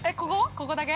ここだけ？